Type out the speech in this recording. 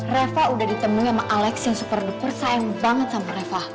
reva udah ditemui sama alex yang super sayang banget sama reva